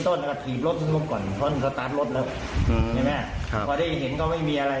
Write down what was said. ถ้าเกิดจำได้แล้วจำได้